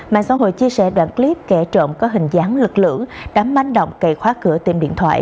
mạng xã hội chia sẻ đoạn clip kẻ trộm có hình dáng lực lưỡng đã manh động cậy khóa cửa tiệm điện thoại